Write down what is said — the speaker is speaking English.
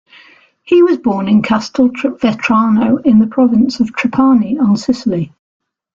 He was born in Castelvetrano in the province of Trapani on Sicily.